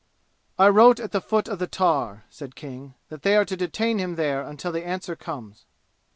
"I wrote at the foot of the tar," said King, "that they are to detain him there until the answer comes."